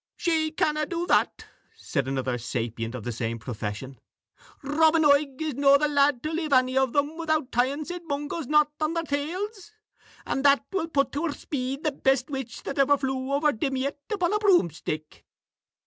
"She canna do that," said another sapient of the same profession: "Robin Oig is no the lad to leave any of them without tying St Mungo's knot on their tails, and that will put to her speed the best witch that ever flew over Dimayet upon a broomstick."